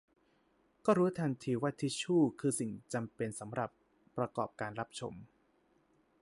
ก็รู้ทันทีว่าทิชชูคือสิ่งจำเป็นสำหรับประกอบการรับชม